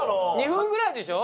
２分ぐらいでしょ？